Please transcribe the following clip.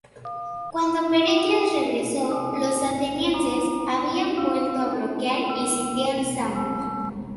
Cuando Pericles regresó, los atenienses habían vuelto a bloquear y sitiar Samos.